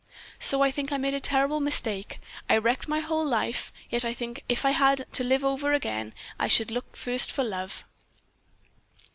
"So I think. I made a terrible mistake. I wrecked my whole life; yet I think that if I had to live over again I should look first for love.